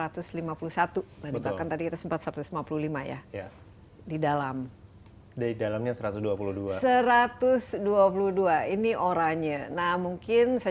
tadi bahkan tadi kita sempat satu ratus lima puluh lima ya di dalam dari dalamnya satu ratus dua puluh dua satu ratus dua puluh dua ini oranya nah mungkin saya